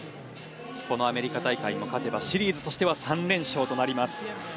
このアメリカ大会も勝てばシリーズとしては３連勝となります。